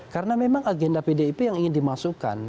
karena memang agenda pdip yang ingin dimasukkan